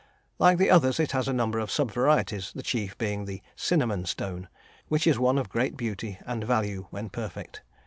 Like the others, it has a number of sub varieties, the chief being the "cinnamon stone," which is one of great beauty and value when perfect.